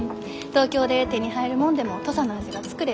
東京で手に入るもんでも土佐の味が作れるきね。